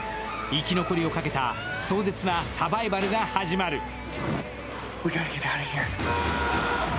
生き残りをかけた壮絶なサバイバルが始まる。